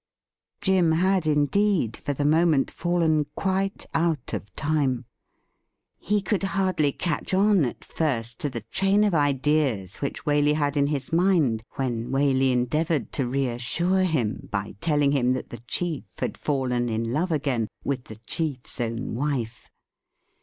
Jim had indeed for the moment fallen quite out of time. He could hardly catch on at first to the train of ■ideas which Waley had in his mind when Waley en 'deavoured to reassure him by telling him that the chief •had fallen in love a,gain with the chief's own wife.